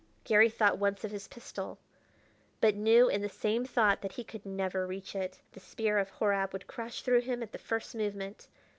Garry thought once of his pistol, but knew in the same thought that he could never reach it; the spear of Horab would crash through him at the first movement.